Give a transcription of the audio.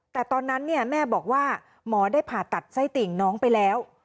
แต่ตอนนั้นแม่บอกว่าหมอได้ผ่าตัดไส้ติ่งน้องไปแล้ว